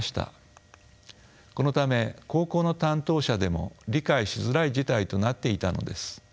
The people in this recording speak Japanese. このため高校の担当者でも理解しづらい事態となっていたのです。